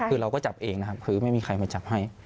คือเราก็จับเองนะครับคือไม่มีใครมาจับให้